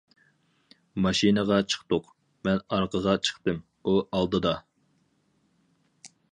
ماشىنىغا چىقتۇق، مەن ئارقىغا چىقتىم، ئۇ ئالدىدا.